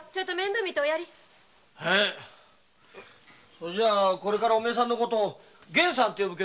それじゃこれからお前さんのことを源さんと呼ぶがいいね？